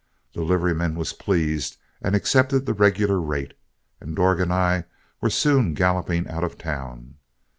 The liveryman was pleased and accepted the regular rate, and Dorg and I were soon galloping out of town.